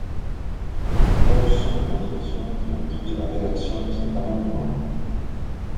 Telles sont les motivations qui ont guidé la rédaction de cet amendement.